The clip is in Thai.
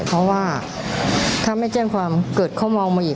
เพราะว่าถ้าไม่แจ้งความเกิดเขามองมาอีก